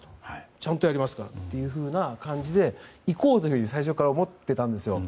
ちゃんとやりますからという感じでいこうというふうに最初から思ってたんですよ。